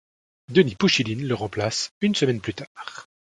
Denis Pouchiline le remplace une semaine plus tard.